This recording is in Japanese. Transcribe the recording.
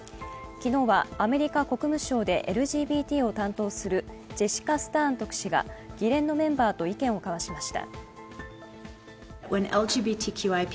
昨日はアメリカ国務省でＬＧＢＴを担当するジェシカ・スターン特使が議連のメンバーと意見を交わしました。